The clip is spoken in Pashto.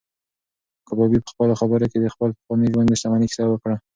کبابي په خپلو خبرو کې د خپل پخواني ژوند د شتمنۍ کیسه وکړه.